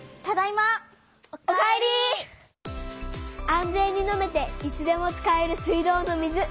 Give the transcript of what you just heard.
安全に飲めていつでも使える水道の水。